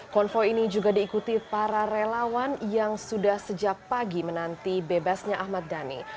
konvoy ini juga diikuti para relawan yang sudah sejak pagi menanti bebasnya ahmad dhani